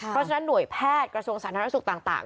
เพราะฉะนั้นหน่วยแพทย์กระทรวงศาลทางรัฐสุทธิ์ต่าง